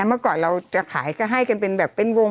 เมื่อก่อนเราจะขายก็ให้กันเป็นแบบเป็นวง